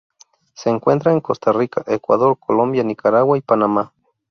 Se encuentra en Costa Rica, Ecuador, Colombia, Nicaragua y Panamá.